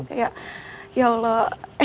kayak ya allah